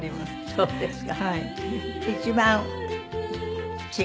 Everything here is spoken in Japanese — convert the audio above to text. そうですか。